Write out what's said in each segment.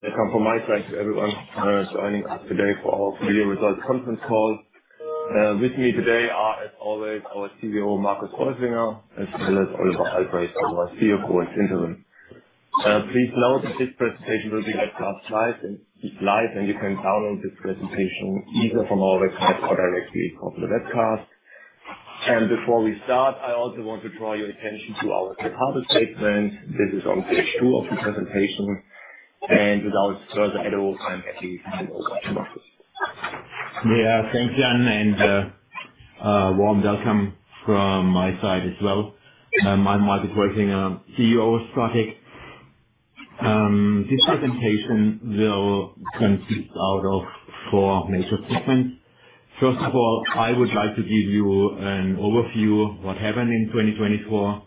Welcome from my side to everyone joining us today for our video results conference call. With me today are, as always, our CEO, Marcus Wolfinger, as well as Oliver Albrecht, our CFO, in interim. Please note that this presentation will be live and you can download this presentation either from our website or directly from the webcast. Before we start, I also want to draw your attention to our department statement. This is on page two of the presentation. Without further ado, I'm happy to hand over to Marcus. Yeah, thanks, Jan, and warm welcome from my side as well. I'm Marcus Wolfinger, CEO of STRATEC. This presentation will consist out of four major statements. First of all, I would like to give you an overview of what happened in 2024.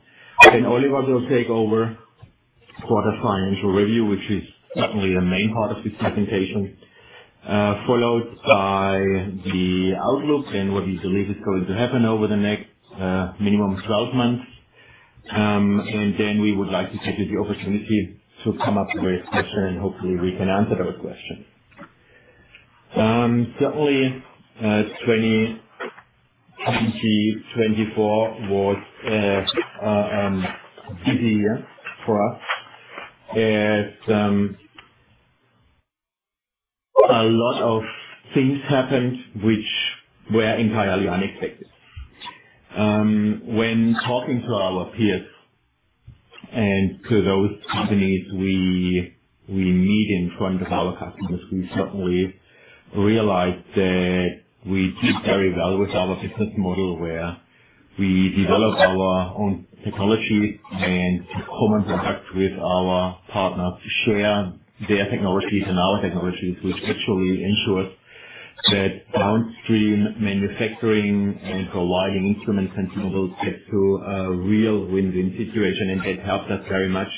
Oliver will take over for the financial review, which is certainly the main part of this presentation, followed by the outlook and what we believe is going to happen over the next minimum of 12 months. We would like to give you the opportunity to come up with questions, and hopefully we can answer those questions. Certainly, 2024 was a busy year for us. A lot of things happened which were entirely unexpected. When talking to our peers and to those companies we meet in front of our customers, we certainly realized that we did very well with our business model where we developed our own technology and took common products with our partners to share their technologies and our technologies, which actually ensures that downstream manufacturing and providing instruments and tools gets to a real win-win situation. That helped us very much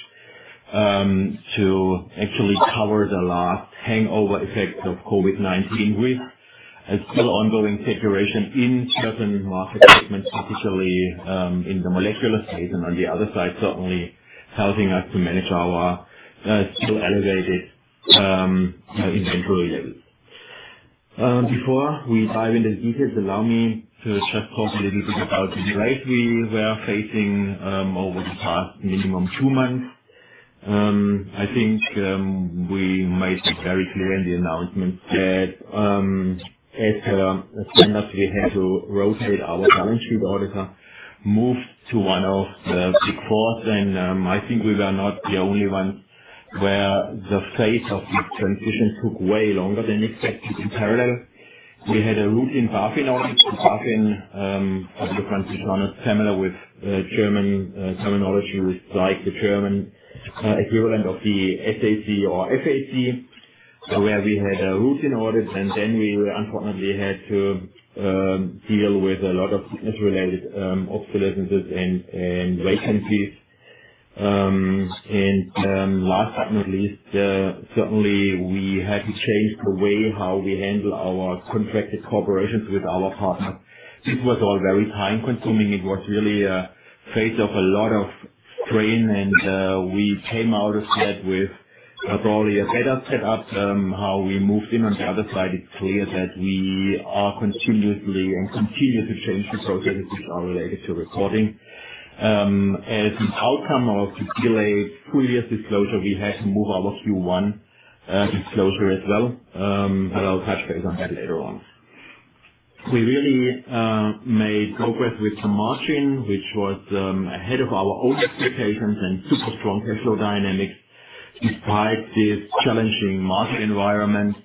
to actually cover the last hangover effects of COVID-19 with a still ongoing situation in certain market segments, particularly in the molecular space. On the other side, certainly helping us to manage our still elevated inventory levels. Before we dive into the details, allow me to just talk a little bit about the risk we were facing over the past minimum of two months. I think we made it very clear in the announcements that as a standard, we had to rotate our balance sheet auditor, moved to one of the Big Four. I think we were not the only ones where the phase of this transition took way longer than expected. In parallel, we had a routine bargain audit. Bargain, obviously, some of you are not familiar with German terminology, which is like the German equivalent of the SAC or FAC, where we had a routine audit. We unfortunately had to deal with a lot of business-related obsolescences and vacancies. Last but not least, certainly we had to change the way how we handle our contracted cooperations with our partners. This was all very time-consuming. It was really a phase of a lot of strain. We came out of that with not only a better setup, how we moved in. On the other side, it's clear that we are continuously and continue to change the processes which are related to reporting. As an outcome of the delayed previous disclosure, we had to move our Q1 disclosure as well. I'll touch base on that later on. We really made progress with the margin, which was ahead of our own expectations and super strong cash flow dynamics despite this challenging market environment.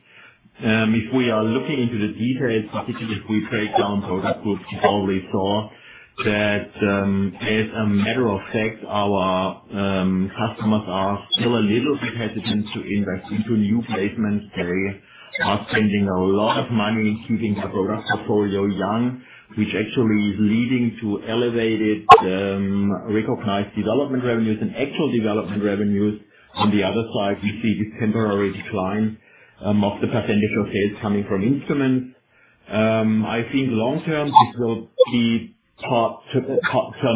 If we are looking into the details, particularly if we break down product groups, we probably saw that as a matter of fact, our customers are still a little bit hesitant to invest into new placements. They are spending a lot of money keeping their product portfolio young, which actually is leading to elevated recognized development revenues and actual development revenues. On the other side, we see this temporary decline of the percentage of sales coming from instruments. I think long-term, this will be turned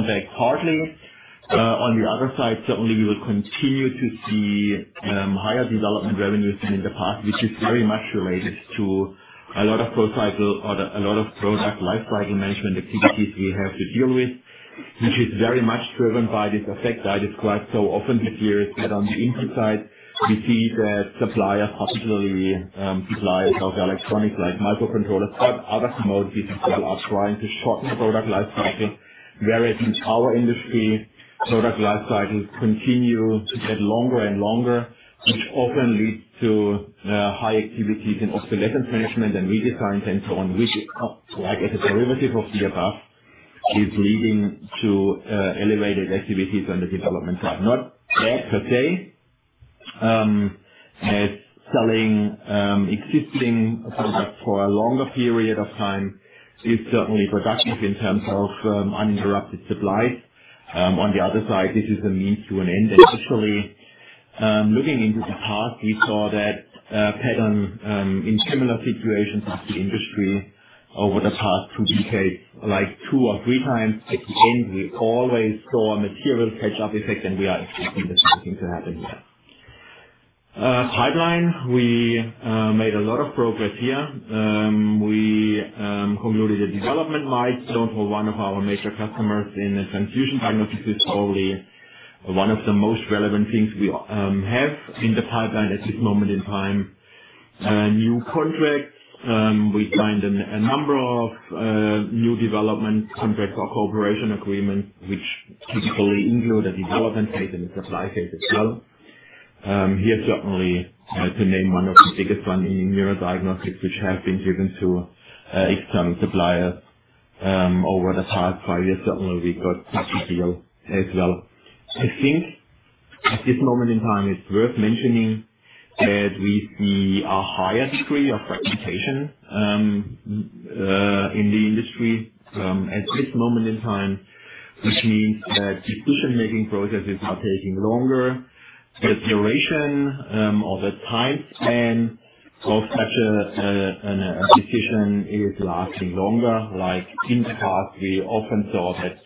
back partly. On the other side, certainly we will continue to see higher development revenues than in the past, which is very much related to a lot of procycle, a lot of product lifecycle management activities we have to deal with, which is very much driven by this effect I described so often this year. On the input side, we see that suppliers, particularly suppliers of electronics like microcontrollers or other commodities, are trying to shorten product lifecycle, whereas in our industry, product lifecycles continue to get longer and longer, which often leads to high activities in obsolescence management and redesigns and so on, which, like as a derivative of the above, is leading to elevated activities on the development side. Not bad per se, as selling existing products for a longer period of time is certainly productive in terms of uninterrupted supplies. On the other side, this is a means to an end. Actually, looking into the past, we saw that a pattern in similar situations in the industry over the past two decades, like two or three times at the end, we always saw a material catch-up effect, and we are expecting the same thing to happen here. Pipeline, we made a lot of progress here. We concluded a development milestone for one of our major customers in the transition diagnostics, which is probably one of the most relevant things we have in the pipeline at this moment in time. New contracts, we signed a number of new development contracts or cooperation agreements, which typically include a development phase and a supply phase as well. Here, certainly, to name one of the biggest ones in neurodiagnostics, which have been given to external suppliers over the past five years, certainly we got a good deal as well. I think at this moment in time, it's worth mentioning that we see a higher degree of fragmentation in the industry at this moment in time, which means that decision-making processes are taking longer. The duration or the time span of such a decision is lasting longer. Like in the past, we often saw that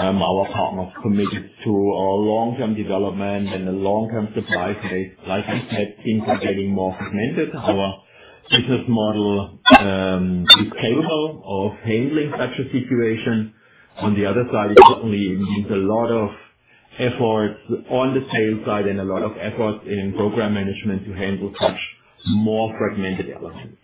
our partners committed to a long-term development and a long-term supply phase. Like we said, things are getting more segmented. Our business model is capable of handling such a situation. On the other side, it certainly means a lot of efforts on the sales side and a lot of efforts in program management to handle such more fragmented elements.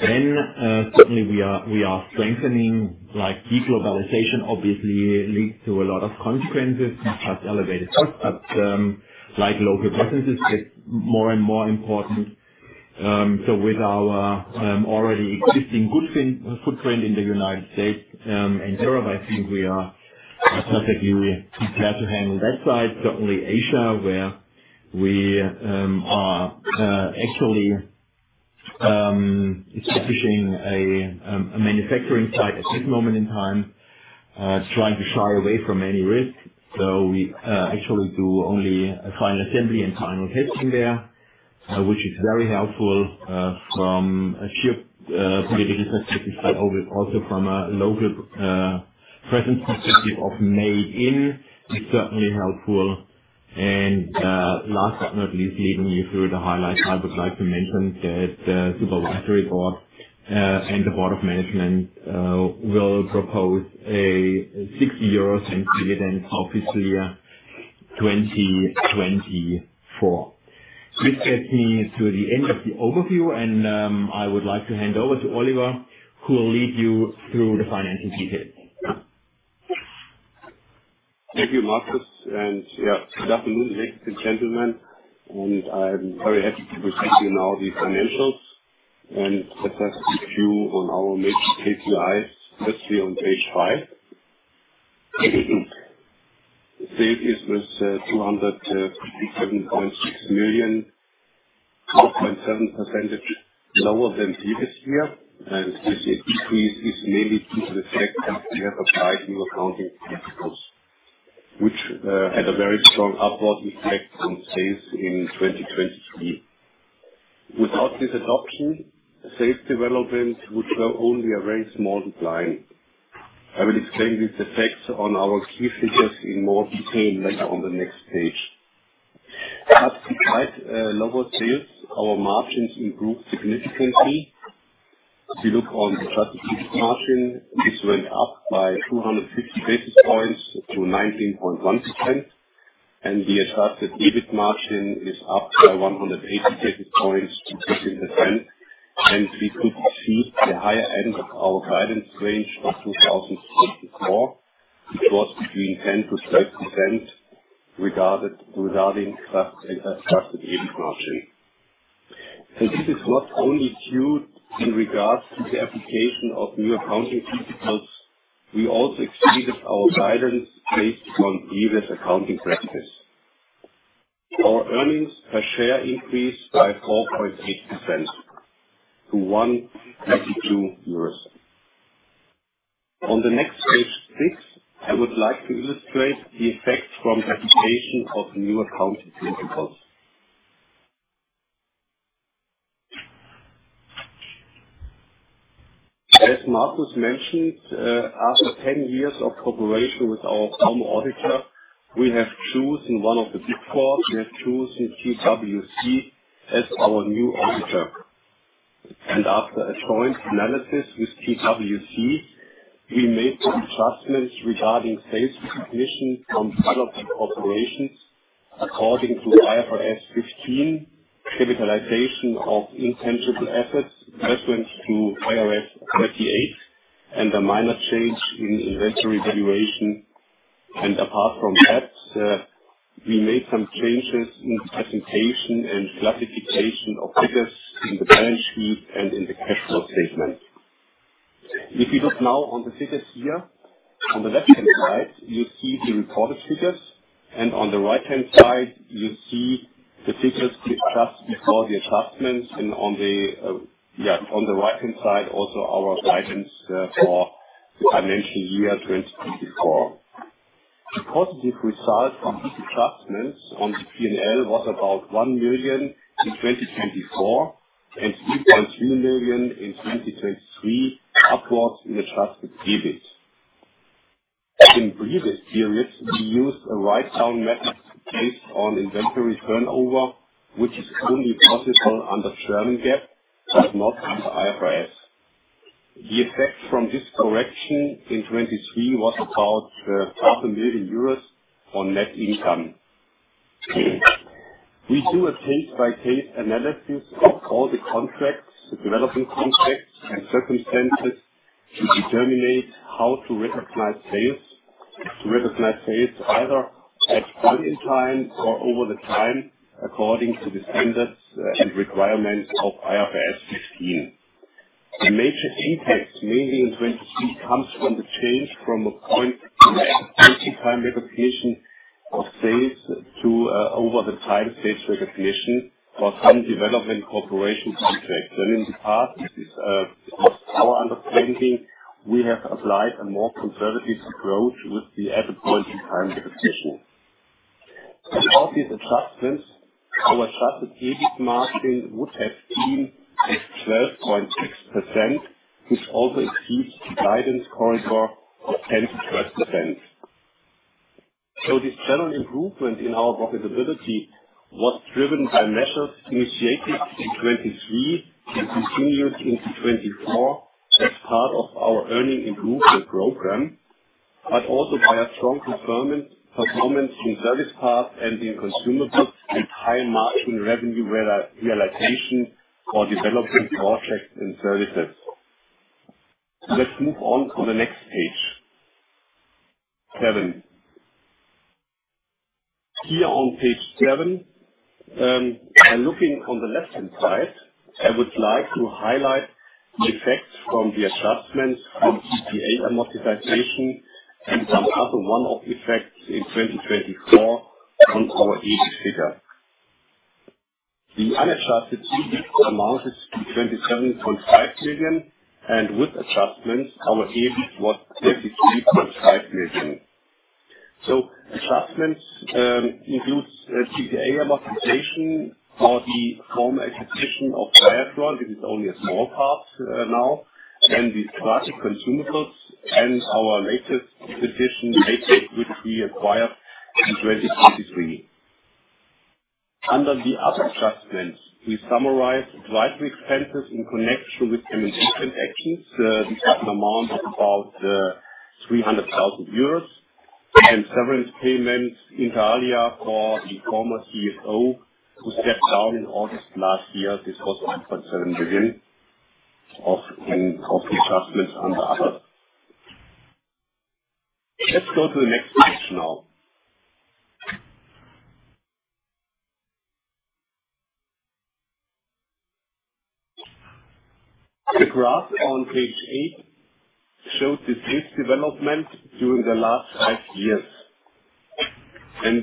Then certainly we are strengthening. Like deglobalization obviously leads to a lot of consequences, not just elevated costs, but like local businesses get more and more important. With our already existing good footprint in the United States and Europe, I think we are perfectly prepared to handle that side. Certainly Asia, where we are actually establishing a manufacturing site at this moment in time, trying to shy away from any risk. We actually do only final assembly and final testing there, which is very helpful from a geopolitical perspective, but also from a local presence perspective of made in, is certainly helpful. Last but not least, leading you through the highlights, I would like to mention that the Supervisory Board and the Board of Management will propose a EUR 0.60 dividend for fiscal year 2024. This gets me to the end of the overview, and I would like to hand over to Oliver, who will lead you through the financial details. Thank you, Marcus. Yeah, good afternoon, ladies and gentlemen. I'm very happy to present to you now the financials. Let us take you on our major KPIs, especially on page five. Sales is with 257.6 million, 2.7% lower than previous year. This increase is mainly due to the fact that we have applied new accounting principles which had a very strong upward effect on sales in 2023. Without this adoption, sales development would show only a very small decline. I will explain these effects on our key figures in more detail later on the next page. Despite lower sales, our margins improved significantly. If you look on the strategic margin, this went up by 250 basis points to 19.1%. The adjusted EBIT margin is up by 180 basis points to 13%. We could see the higher end of our guidance range of 2024, which was between 10%-12% regarding adjusted EBIT margin. This is not only due in regards to the application of new accounting principles. We also exceeded our guidance based upon previous accounting practice. Our earnings per share increased by 4.8% to 1.32 euros. On the next page, six, I would like to illustrate the effect from the application of new accounting principles. As Marcus mentioned, after 10 years of cooperation with our former auditor, we have chosen one of the Big Four. We have chosen TWC as our new auditor. After a joint analysis with TWC, we made some adjustments regarding sales recognition from development operations according to IFRS 15, capitalization of intangible assets reference to IAS 38, and a minor change in inventory valuation. Apart from that, we made some changes in the presentation and classification of figures in the balance sheet and in the cash flow statement. If you look now on the figures here, on the left-hand side, you see the reported figures. On the right-hand side, you see the figures just before the adjustments. On the right-hand side, also our guidance for the financial year 2024. The positive result of these adjustments on the P&L was about 1 million in 2024 and 3.3 million in 2023 upwards in adjusted EBIT. In previous periods, we used a write-down method based on inventory turnover, which is only possible under German GAAP, but not under IFRS. The effect from this correction in 2023 was about 500,000 euros on net income. We do a case-by-case analysis of all the contracts, the development contracts, and circumstances to determine how to recognize sales, to recognize sales either at running time or over the time according to the standards and requirements of IFRS 15. The major impact, mainly in 2023, comes from the change from a point-to-point in time recognition of sales to over-the-time sales recognition for some development cooperation contracts. In the past, it was our understanding we have applied a more conservative approach with the added point-to-time recognition. Without these adjustments, our adjusted EBIT margin would have been at 12.6%, which also exceeds the guidance corridor of 10%-12%. This general improvement in our profitability was driven by measures initiated in 2023 and continued into 2024 as part of our earning improvement program, but also by a strong performance in service parts and in consumables and high-margin revenue realization for development projects and services. Let's move on to the next page, seven. Here on page seven, by looking on the left-hand side, I would like to highlight the effects from the adjustments on EPA amortization and some other one-off effects in 2024 on our EBIT figure. The unadjusted EBIT amounted to 27.5 million, and with adjustments, our EBIT was 33.5 million. Adjustments include EPA amortization for the former acquisition of Natech. This is only a small part now, then the strategic consumables and our latest acquisition, which we acquired in 2023. Under the other adjustments, we summarized driving expenses in connection with M&E transactions. This had an amount of about 300,000 euros and severance payments in Thalia for the former CFO, who stepped down in August last year. This was 1.7 million of the adjustments under others. Let's go to the next page now. The graph on page eight showed this development during the last five years. As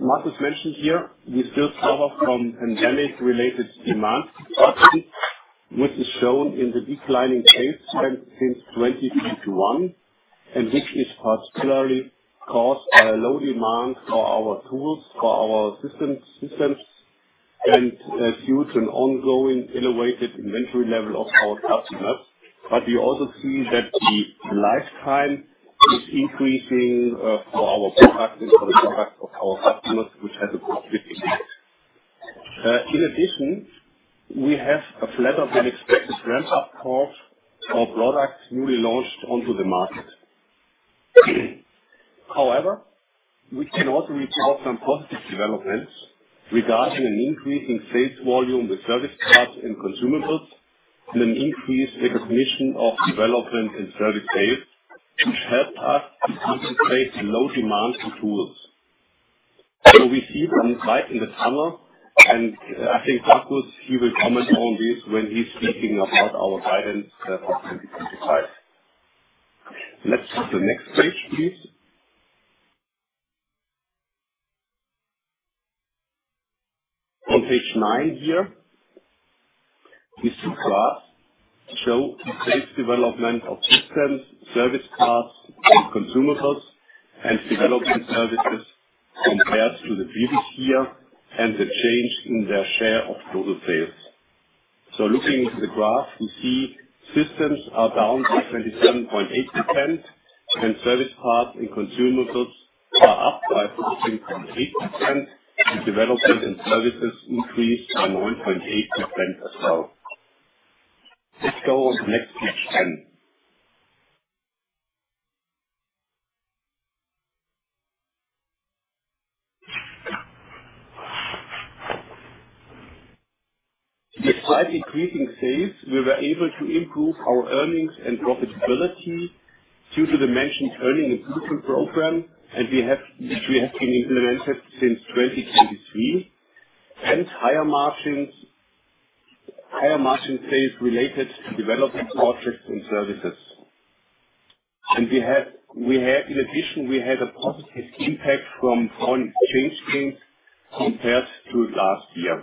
Marcus mentioned here, we still suffer from pandemic-related demand disruption, which is shown in the declining sales spend since 2021, and which is particularly caused by a low demand for our tools, for our systems, and due to an ongoing elevated inventory level of our customers. We also see that the lifetime is increasing for our products and for the products of our customers, which has a positive effect. In addition, we have a flatter than expected ramp-up curve for products newly launched onto the market. However, we can also report some positive developments regarding an increasing sales volume with service parts and consumables and an increased recognition of development and service sales, which helped us to keep in place low demand for tools. We see them right in the tunnel. I think Marcus, he will comment on this when he's speaking about our guidance for 2025. Let's go to the next page, please. On Page 9 here, these two graphs show the sales development of systems, service parts, and consumables and development services compared to the previous year and the change in their share of total sales. Looking into the graph, we see systems are down by 27.8%, and service parts and consumables are up by 14.8%, and development and services increased by 9.8% as well. Let's go on to the next page, then. Despite increasing sales, we were able to improve our earnings and profitability due to the mentioned earning improvement program, which we have been implementing since 2023, and higher margin sales related to development projects and services. In addition, we had a positive impact from foreign exchange gains compared to last year.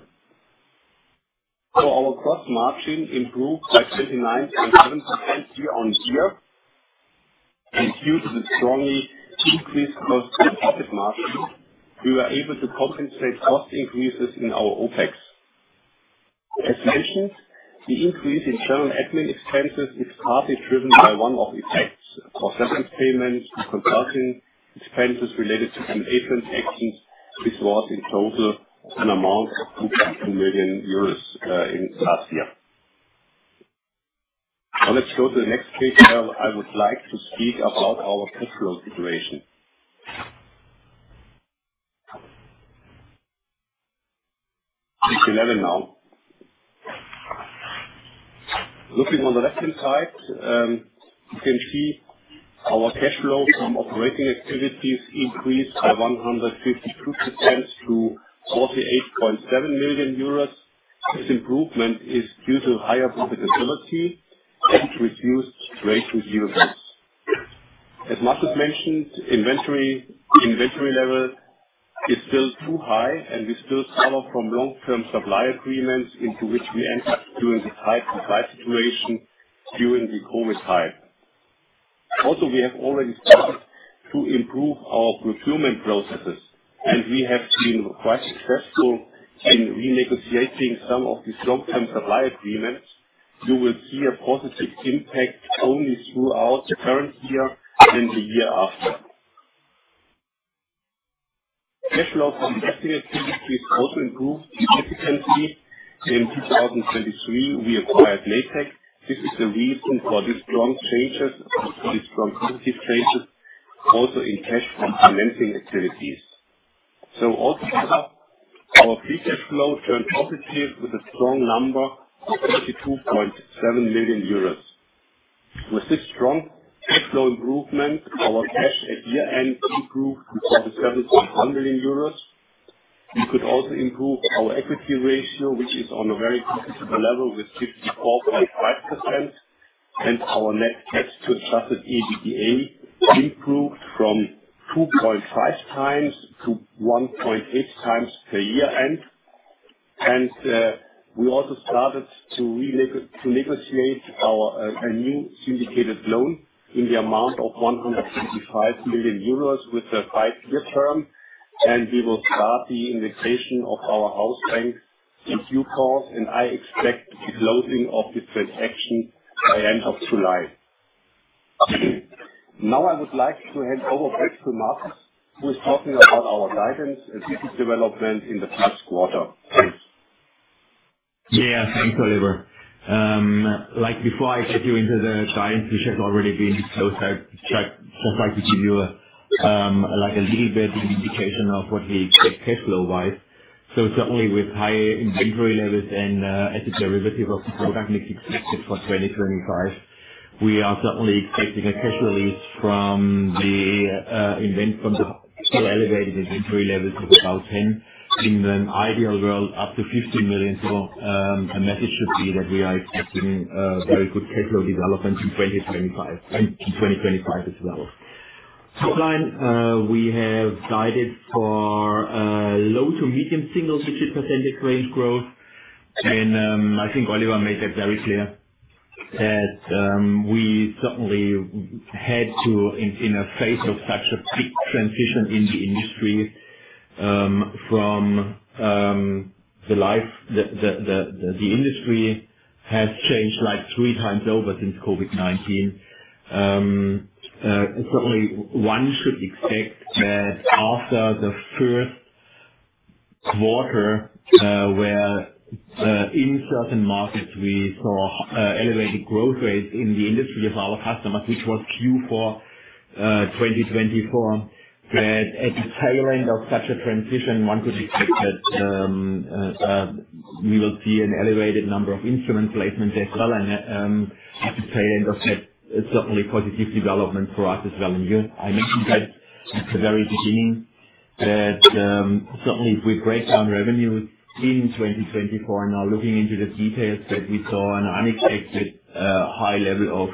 Our gross margin improved by 29.7% year on year. Due to the strongly increased gross profit margin, we were able to compensate cost increases in our OpEx. As mentioned, the increase in general admin expenses is partly driven by one-off effects for severance payments and consulting expenses related to M&A transactions, which was in total an amount of 2.2 million euros last year. Now let's go to the next page where I would like to speak about our cash flow situation. Page 11 now. Looking on the left-hand side, you can see our cash flow from operating activities increased by 152% to 48.7 million euros. This improvement is due to higher profitability and reduced trade resilience. As Marcus mentioned, inventory level is still too high, and we still suffer from long-term supply agreements into which we entered during the tight supply situation during the COVID hype. Also, we have already started to improve our procurement processes, and we have been quite successful in renegotiating some of these long-term supply agreements. You will see a positive impact only throughout the current year and the year after. Cash flow from investing activities also improved significantly. In 2023, we acquired Natech. This is the reason for these strong changes, these strong positive changes, also in cash from financing activities. Altogether, our free cash flow turned positive with a strong number of 42.7 million euros. With this strong cash flow improvement, our cash at year-end improved to 47.1 million euros. We could also improve our equity ratio, which is on a very positive level with 54.5%, and our net debt to adjusted EBITDA improved from 2.5x-1.8x per year-end. We also started to negotiate a new syndicated loan in the amount of 125 million euros with a five-year term. We will start the invitation of our house bank in due course, and I expect the closing of this transaction by end of July. Now I would like to hand over back to Marcus, who is talking about our guidance and business development in the first quarter. Please. Yeah, thank you, Oliver. Like before, I'll get you into the guidance, which has already been. I'd just like to give you a little bit of an indication of what we expect cash flow-wise. Certainly, with higher inventory levels and as a derivative of the product mix expected for 2025, we are certainly expecting a cash release from the event from the higher elevated inventory levels of about 10 million. In an ideal world, up to 15 million. The message should be that we are expecting very good cash flow development in 2025 as well. Subline, we have guided for low to medium single-digit percentage range growth. I think Oliver made that very clear that we certainly had to, in a phase of such a big transition in the industry, from the industry has changed like 3x over since COVID-19. Certainly, one should expect that after the first quarter, where in certain markets we saw elevated growth rates in the industry of our customers, which was due for 2024, that at the tail end of such a transition, one could expect that we will see an elevated number of instrument placements as well. At the tail end of that, certainly positive development for us as well. I mentioned that at the very beginning that certainly, if we break down revenues in 2024 and are looking into the details, we saw an unexpected high level of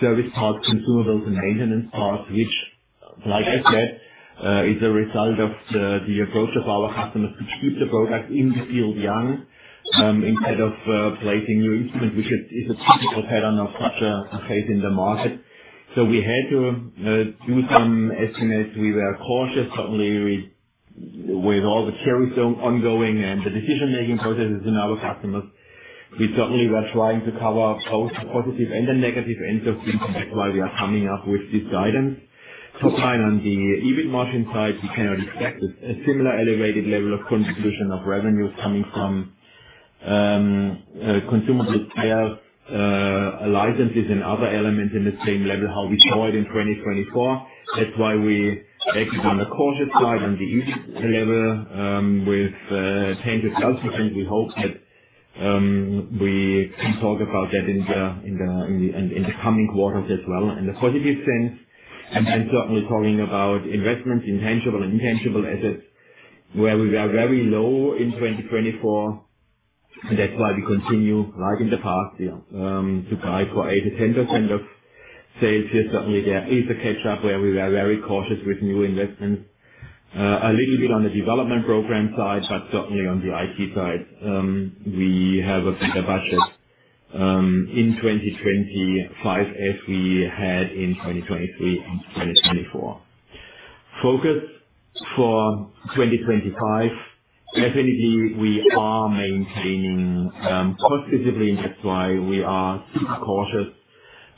service parts, consumables, and maintenance parts, which, like I said, is a result of the approach of our customers to keep the product in the field young instead of placing new instruments, which is a typical pattern of such a phase in the market. We had to do some estimates. We were cautious, certainly, with all the cherries ongoing and the decision-making processes in our customers. We certainly were trying to cover both the positive and the negative ends of things, and that is why we are coming up with this guidance. Subline on the EBIT margin side, we cannot expect a similar elevated level of contribution of revenues coming from consumables, sales, licenses, and other elements in the same level how we saw it in 2023. That is why we acted on the cautious side on the EBIT level with 10%-12%. We hope that we can talk about that in the coming quarters as well in the positive sense. Then certainly talking about investments in tangible and intangible assets, where we were very low in 2023, and that is why we continue like in the past to try for 8%-10% of sales here. Certainly, there is a catch-up where we were very cautious with new investments. A little bit on the development program side, but certainly on the IT side, we have a bigger budget in 2025 as we had in 2023 and 2024. Focus for 2025, definitely, we are maintaining cost visibility, and that's why we are cautious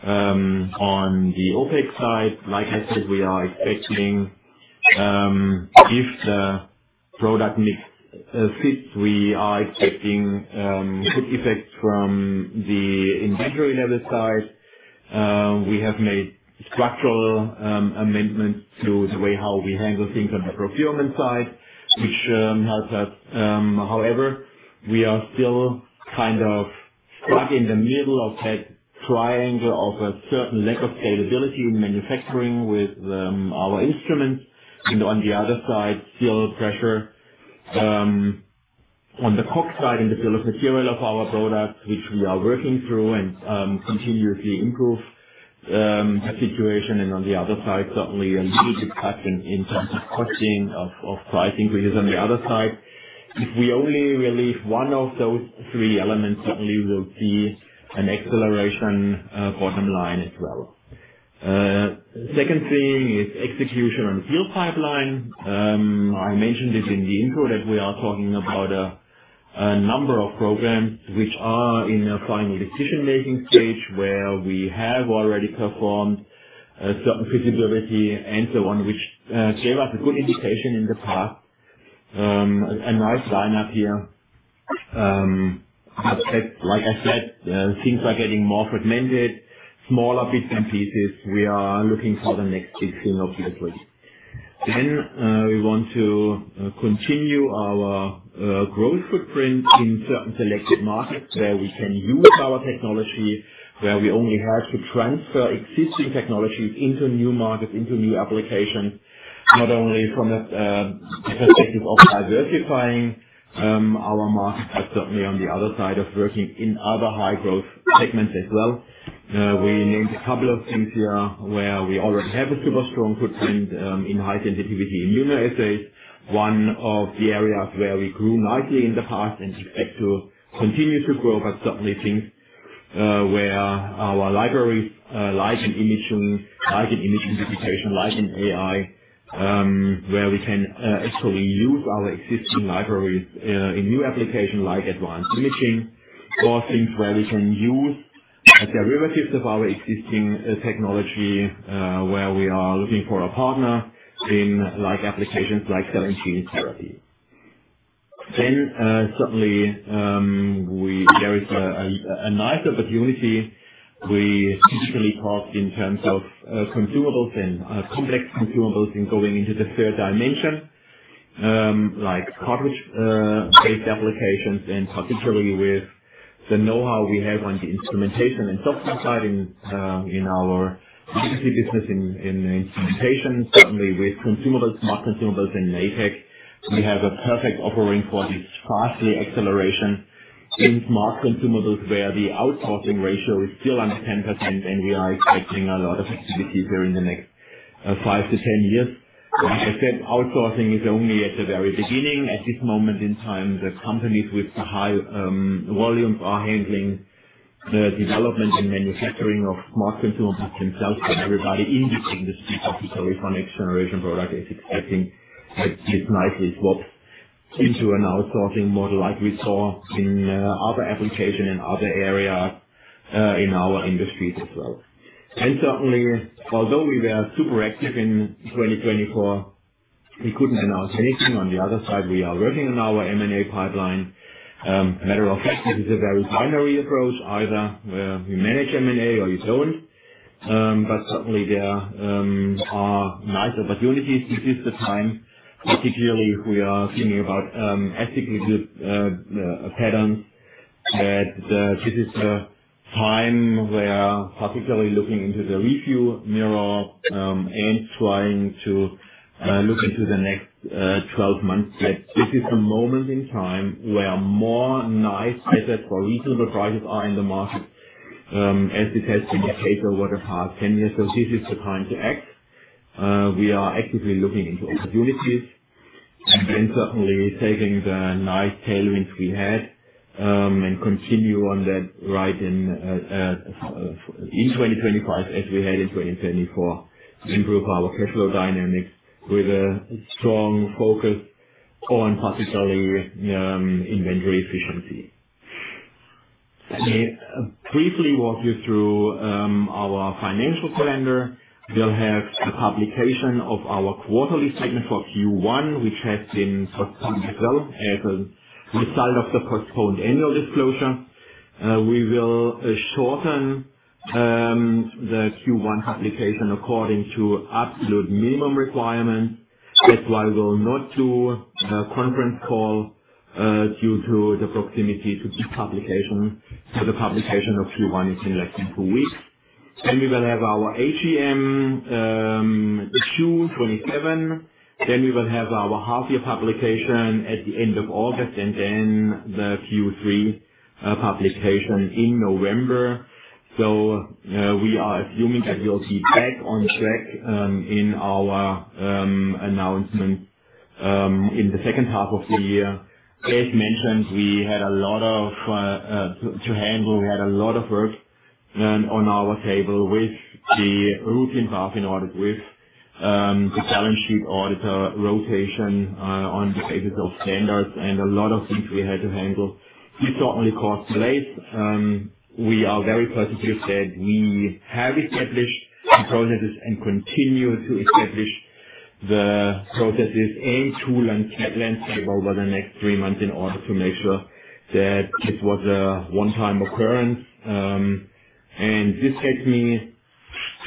on the OpEx side. Like I said, we are expecting, if the product mix fits, we are expecting good effects from the inventory level side. We have made structural amendments to the way how we handle things on the procurement side, which helps us. However, we are still kind of stuck in the middle of that triangle of a certain lack of scalability in manufacturing with our instruments. On the other side, still pressure on the COGS side in the bill of material of our products, which we are working through and continuously improve the situation. On the other side, certainly a little bit touched in terms of costing of price increases. On the other side, if we only relieve one of those three elements, certainly we'll see an acceleration bottom line as well. Second thing is execution on the field pipeline. I mentioned it in the intro that we are talking about a number of programs which are in a final decision-making stage where we have already performed certain feasibility and so on, which gave us a good indication in the past. A nice lineup here. Like I said, things are getting more fragmented, smaller bits and pieces. We are looking for the next big thing obviously. We want to continue our growth footprint in certain selected markets where we can use our technology, where we only have to transfer existing technologies into new markets, into new applications, not only from the perspective of diversifying our market, but certainly on the other side of working in other high-growth segments as well. We named a couple of things here where we already have a super strong footprint in high-sensitivity immunoassays. One of the areas where we grew nicely in the past and expect to continue to grow, but certainly things where our libraries like in imaging, like in imaging digitation, like in AI, where we can actually use our existing libraries in new applications like advanced imaging or things where we can use derivatives of our existing technology where we are looking for a partner in applications like cell and gene therapy. Certainly, there is a nice opportunity. We typically talk in terms of consumables and complex consumables and going into the third dimension, like cartridge-based applications, and particularly with the know-how we have on the instrumentation and software side in our legacy business in instrumentation. Certainly, with consumables, smart consumables, and Natech, we have a perfect offering for this fast acceleration in smart consumables where the outsourcing ratio is still under 10%, and we are expecting a lot of activity here in the next 5 years-10 years. Like I said, outsourcing is only at the very beginning. At this moment in time, the companies with the high volumes are handling the development and manufacturing of smart consumables themselves, but everybody in the industry, particularly for next-generation products, is expecting that this nicely swaps into an outsourcing model like we saw in other applications and other areas in our industries as well. Certainly, although we were super active in 2024, we could not announce anything. On the other side, we are working on our M&A pipeline. Matter of fact, this is a very binary approach, either you manage M&A or you do not. Certainly, there are nice opportunities to use the time, particularly if we are thinking about ethically good patterns. This is a time where particularly looking into the review mirror and trying to look into the next 12 months yet. This is the moment in time where more nice assets for reasonable prices are in the market, as it has been the case over the past 10 years. This is the time to act. We are actively looking into opportunities and then certainly taking the nice tailwinds we had and continue on that right in 2025 as we had in 2024 to improve our cash flow dynamics with a strong focus on particularly inventory efficiency. Let me briefly walk you through our financial calendar. We will have the publication of our quarterly statement for Q1, which has been postponed as well as a result of the postponed annual disclosure. We will shorten the Q1 publication according to absolute minimum requirements. That is why we will not do a conference call due to the proximity to the publication. The publication of Q1 is in less than two weeks. We will have our HEM Q2 2027. We will have our half-year publication at the end of August, and the Q3 publication in November. We are assuming that we will be back on track in our announcements in the second half of the year. As mentioned, we had a lot to handle. We had a lot of work on our table with the routine path in order with the balance sheet auditor rotation on the basis of standards and a lot of things we had to handle. This certainly caused delays. We are very positive that we have established the processes and continue to establish the processes and to landscape over the next three months in order to make sure that this was a one-time occurrence. This takes me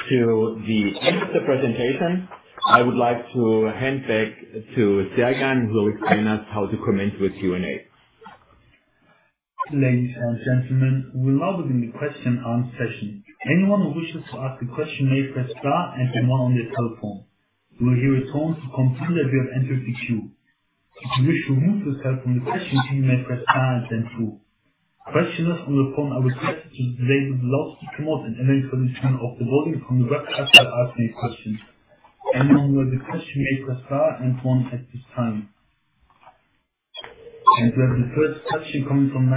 to the end of the presentation. I would like to hand back to Sergen, who will explain us how to commence with Q&A. Ladies and gentlemen, we will now begin the question-and-answer session. Anyone who wishes to ask a question may press star and the one on their telephone. You will hear a tone to confirm that you have entered the queue. If you wish to move yourself from the question queue, you may press star and then two. Questioners on the phone are requested to disable the loudspeaker mode and eventually turn off the volume from the webcast while asking a question. Anyone who has a question may press star and one at this time. We have the first question coming from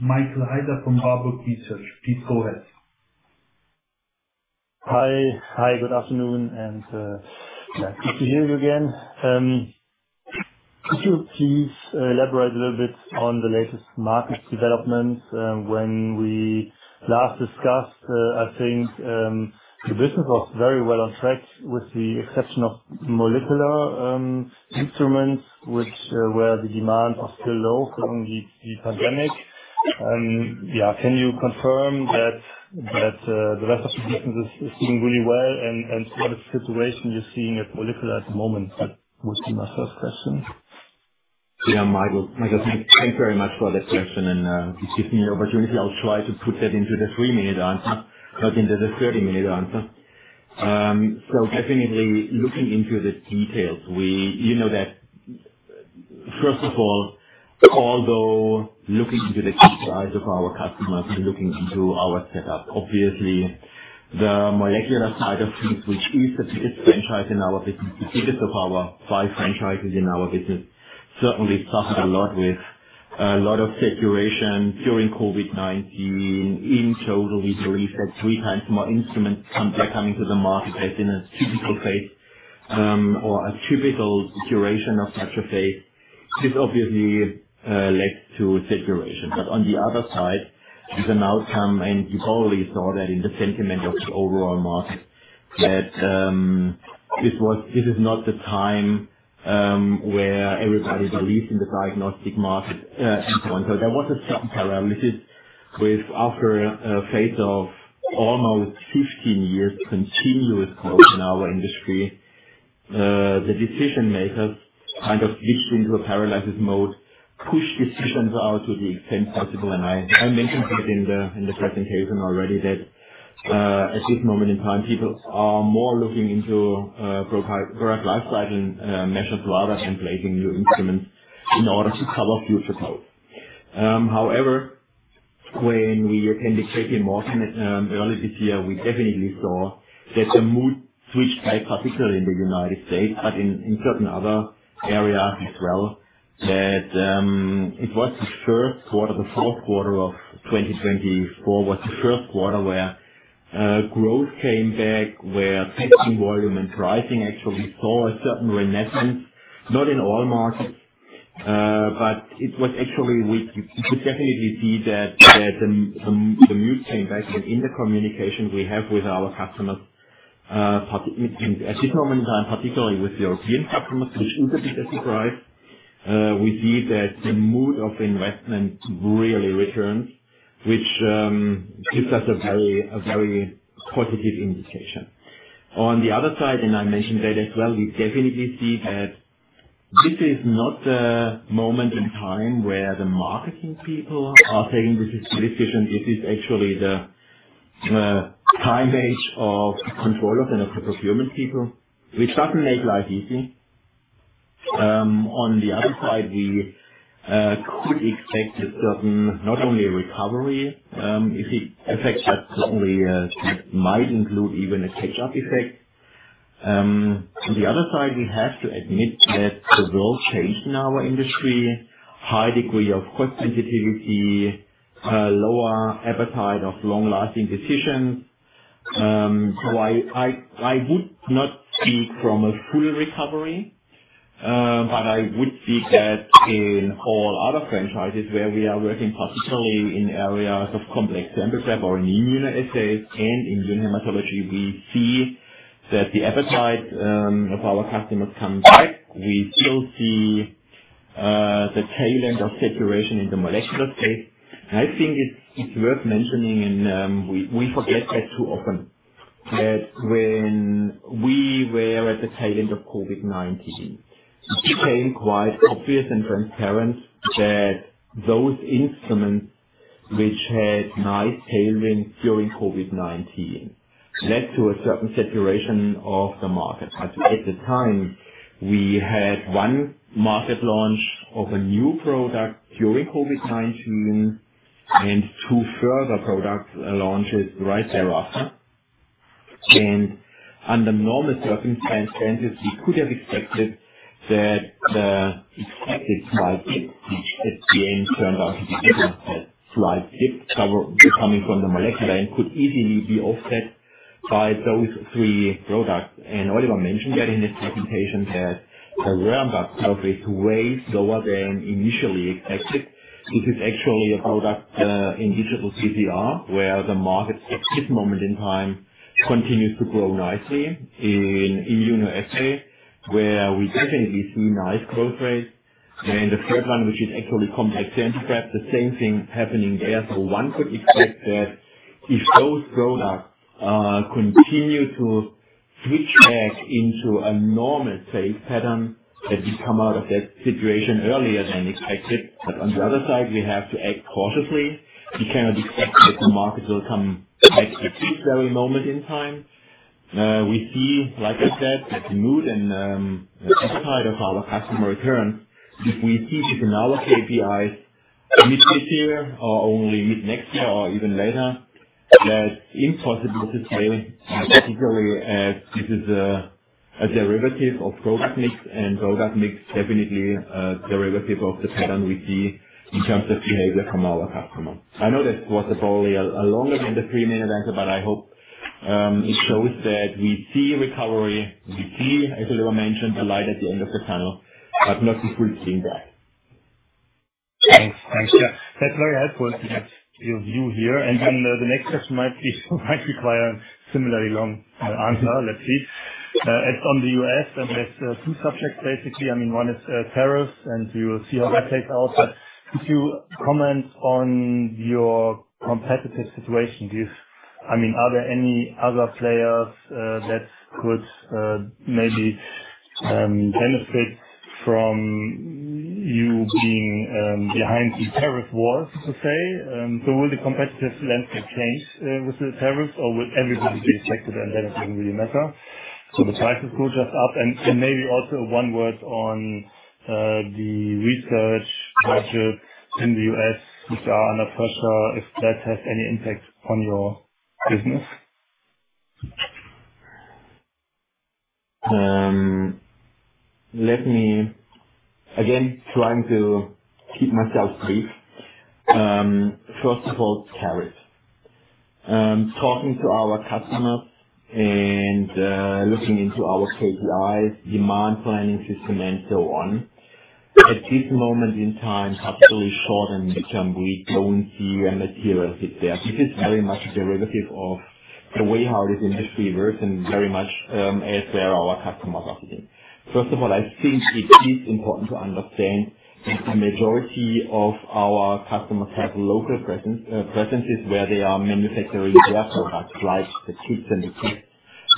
Michael Heider from Warburg Research. Please go ahead. Hi. Hi. Good afternoon. Good to hear you again. Could you please elaborate a little bit on the latest market developments? When we last discussed, I think the business was very well on track with the exception of molecular instruments, where the demands are still low during the pandemic. Yeah. Can you confirm that the rest of the business is doing really well? What is the situation you're seeing at molecular at the moment? That would be my first question. Yeah. Michael, thank you very much for the question. If you give me an opportunity, I'll try to put that into the 3-minute answer, not into the 30-minute answer. Definitely looking into the details, you know that first of all, although looking into the key size of our customers and looking into our setup, obviously the molecular side of things, which is a big franchise in our business, the biggest of our five franchises in our business, certainly suffered a lot with a lot of saturation during COVID-19. In total, we believe that three times more instruments are coming to the market as in a typical phase or a typical duration of such a phase. This obviously led to saturation. On the other side, it's an outcome, and you probably saw that in the sentiment of the overall market, that this is not the time where everybody believes in the diagnostic market and so on. There was a sudden paralysis with, after a phase of almost 15 years of continuous growth in our industry, the decision-makers kind of switched into a paralysis mode, pushed decisions out to the extent possible. I mentioned it in the presentation already that at this moment in time, people are more looking into product lifecycle measures rather than placing new instruments in order to cover future costs. However, when we attended JPMorgan early this year, we definitely saw that the mood switched back, particularly in the United States, but in certain other areas as well, that it was the first quarter, the fourth quarter of 2024 was the first quarter where growth came back, where testing volume and pricing actually saw a certain renaissance, not in all markets. It was actually, we could definitely see that the mood came back in the communication we have with our customers. At this moment in time, particularly with European customers, which is a bit of a surprise, we see that the mood of investment really returns, which gives us a very positive indication. On the other side, and I mentioned that as well, we definitely see that this is not the moment in time where the marketing people are saying, "This is too efficient. This is actually the time age of controllers and of the procurement people," which does not make life easy. On the other side, we could expect a certain, not only a recovery. If it affects, that certainly might include even a catch-up effect. On the other side, we have to admit that the world changed in our industry: high degree of cost sensitivity, lower appetite of long-lasting decisions. I would not speak from a full recovery, but I would speak that in all other franchises where we are working, particularly in areas of complex sample prep or in immunoassays and immune hematology, we see that the appetite of our customers comes back. We still see the tail end of saturation in the molecular space. I think it is worth mentioning, and we forget that too often, that when we were at the tail end of COVID-19, it became quite obvious and transparent that those instruments which had nice tailwinds during COVID-19 led to a certain saturation of the market. At the time, we had one market launch of a new product during COVID-19 and two further product launches right thereafter. Under normal circumstances, we could have expected that the expected slight dip, which at the end turned out to be a slight dip coming from the molecular end, could easily be offset by those three products. Oliver mentioned that in his presentation that the RAMP-up is way slower than initially expected. This is actually a product in Digital CPR where the market at this moment in time continues to grow nicely in immunoassay, where we definitely see nice growth rates. The third one, which is actually complex sample prep, the same thing happening there. One could expect that if those products continue to switch back into a normal phase pattern, we come out of that situation earlier than expected. On the other side, we have to act cautiously. We cannot expect that the market will come back at this very moment in time. We see, like I said, that the mood and appetite of our customer returns. If we see this in our KPIs mid this year or only mid next year or even later, that's impossible to say, particularly as this is a derivative of product mix. And product mix is definitely a derivative of the pattern we see in terms of behavior from our customers. I know that was probably a longer than the 3-minute answer, but I hope it shows that we see recovery. We see, as Oliver mentioned, the light at the end of the tunnel, but not if we're seeing that. Thanks. Thanks, sir. That's very helpful to get your view here. The next question might require a similarly long answer. Let's see. It's on the U.S., and there's two subjects basically. I mean, one is tariffs, and we will see how that plays out. Could you comment on your competitive situation? I mean, are there any other players that could maybe benefit from you being behind the tariff wars, so to say? Will the competitive landscape change with the tariffs, or will everybody be affected, and then it does not really matter? The prices go just up. Maybe also one word on the research budget in the U.S., which are under pressure, if that has any impact on your business. Again, trying to keep myself brief. First of all, tariffs. Talking to our customers and looking into our KPIs, demand planning system, and so on, at this moment in time, particularly short and mid-term, we do not see a material hit there. This is very much a derivative of the way how this industry works and very much as where our customers are sitting. First of all, I think it is important to understand that the majority of our customers have local presences where they are manufacturing their products, like the kits and the kits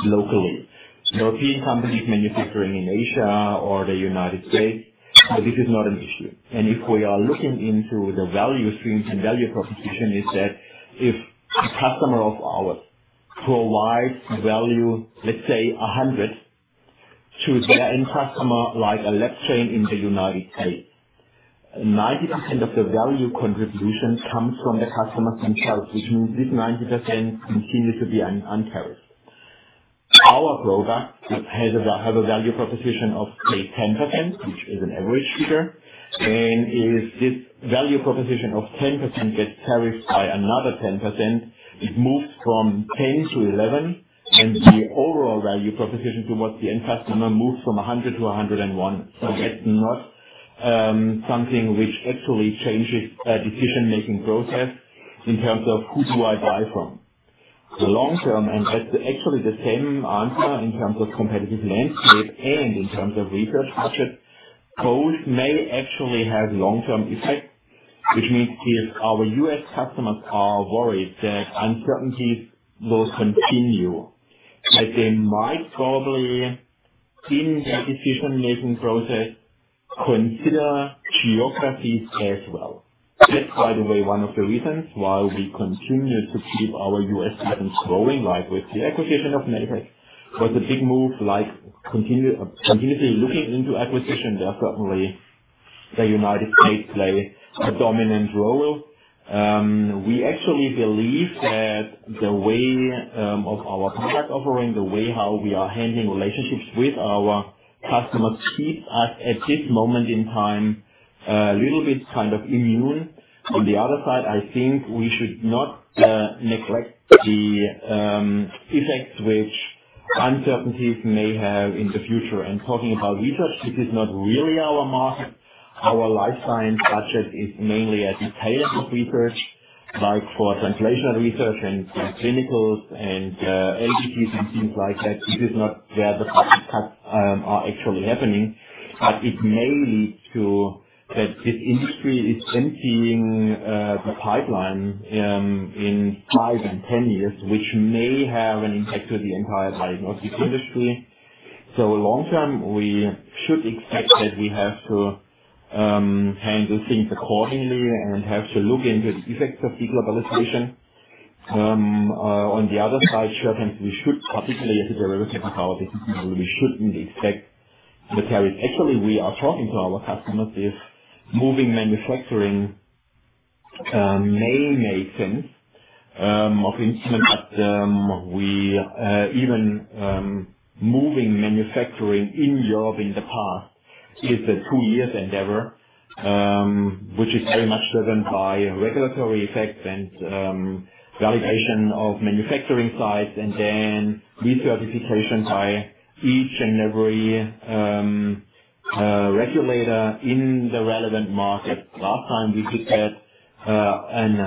locally. European companies manufacturing in Asia or the United States, but this is not an issue. If we are looking into the value streams and value proposition, it's that if a customer of ours provides value, let's say, 100 to their end customer, like a lab train in the United States, 90% of the value contribution comes from the customers themselves, which means this 90% continues to be untariffed. Our product has a value proposition of, say, 10%, which is an average figure. If this value proposition of 10% gets tariffed by another 10%, it moves from 10% to 11%, and the overall value proposition towards the end customer moves from 100% to 101%. That's not something which actually changes a decision-making process in terms of who do I buy from. The long-term, and that's actually the same answer in terms of competitive landscape and in terms of research budget, both may actually have long-term effects, which means if our U.S. customers are worried that uncertainties will continue, that they might probably in their decision-making process consider geographies as well. That's, by the way, one of the reasons why we continue to keep our U.S. business growing, like with the acquisition of Natech. It was a big move, like continuously looking into acquisition. Certainly the United States play a dominant role. We actually believe that the way of our product offering, the way how we are handling relationships with our customers, keeps us at this moment in time a little bit kind of immune. On the other side, I think we should not neglect the effects which uncertainties may have in the future. Talking about research, this is not really our market. Our lifetime budget is mainly at the tail end of research, like for translational research and clinicals and LDCs and things like that. This is not where the product cuts are actually happening, but it may lead to that this industry is emptying the pipeline in 5 years and 10 years, which may have an impact on the entire diagnostic industry. Long-term, we should expect that we have to handle things accordingly and have to look into the effects of deglobalization. On the other side, certainly, we should, particularly as a derivative of our decision-maker, we shouldn't expect the tariffs. Actually, we are talking to our customers if moving manufacturing may make sense of instruments. Even moving manufacturing in Europe in the past is a two-year endeavor, which is very much driven by regulatory effects and validation of manufacturing sites, and then recertification by each and every regulator in the relevant market. Last time, we did that.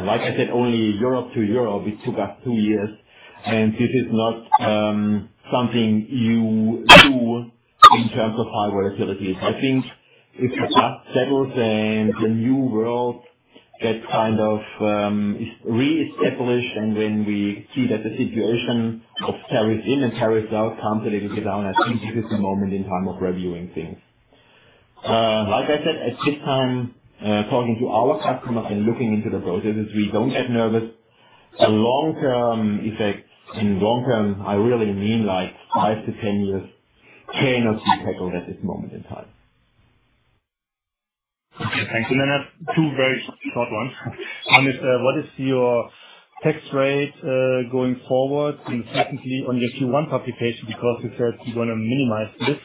Like I said, only Europe to Europe, it took us two years. This is not something you do in terms of high volatility. I think if the glass settles and the new world that kind of is reestablished, and when we see that the situation of tariffs in and tariffs out comes a little bit down, I think this is the moment in time of reviewing things. Like I said, at this time, talking to our customers and looking into the processes, we do not get nervous. The long-term effects, in long-term, I really mean like 5 years-10 years, cannot be tackled at this moment in time. Okay. Thanks. I have two very short ones. One is, what is your tax rate going forward? Secondly, on your Q1 publication, because you said you're going to minimize this,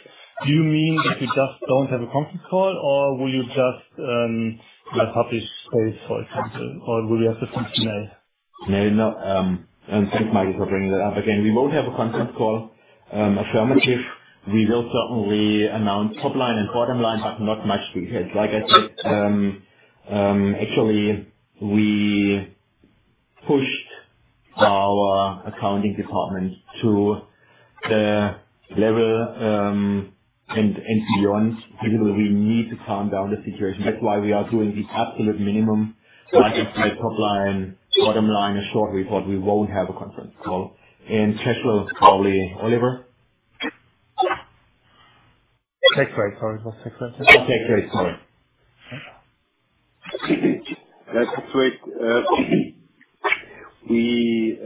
do you mean that you just don't have a conference call, or will you just publish space, for example? Or will you have to functional? No, thanks, Michael, for bringing that up. Again, we won't have a conference call, affirmative. We will certainly announce top line and bottom line, but not much details. Like I said, actually, we pushed our accounting department to the level and beyond because we need to calm down the situation. That's why we are doing the absolute minimum, like I said, top line, bottom line, a short report. We won't have a conference call. Cashflow, probably Oliver. Tax rate, sorry. What's tax rate? Tax rate, sorry. Tax rate. We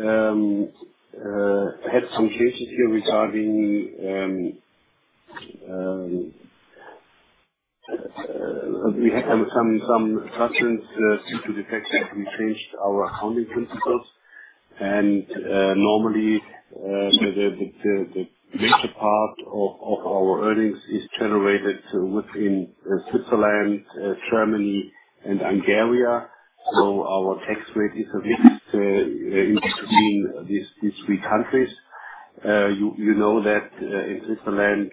had some changes here regarding we had some preference due to the fact that we changed our accounting principles. Normally, the major part of our earnings is generated within Switzerland, Germany, and Hungary. Our tax rate is a mix between these three countries. You know that in Switzerland,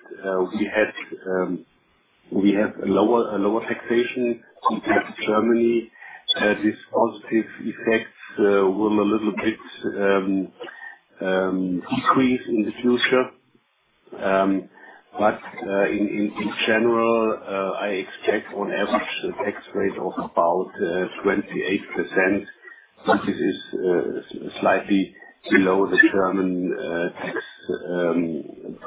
we have a lower taxation compared to Germany. This positive effect will a little bit decrease in the future. In general, I expect on average a tax rate of about 28%. This is slightly below the German tax burden,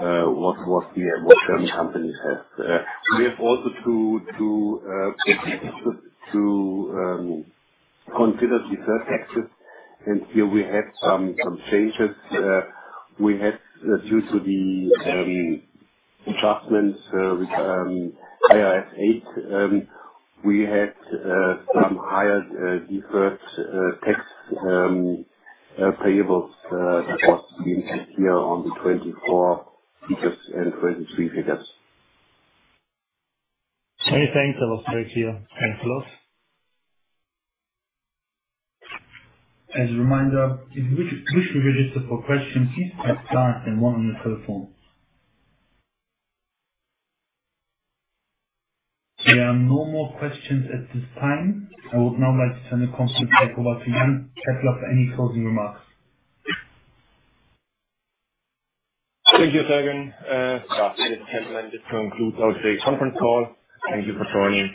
what German companies have. We have also to consider the first taxes, and here we have some changes. We had, due to the adjustments, IAS 38, we had some higher deferred tax payables that was being set here on the 2024 figures and 2023 figures. Okay. Thanks. That was very clear. Thanks a lot. As a reminder, if you wish to register for questions, please press star and one on your telephone. There are no more questions at this time. I would now like to turn the conference back over to Jan Keppeler for any closing remarks. Thank you, Sergen. Ladies and gentlemen, just to conclude our conference call, thank you for joining.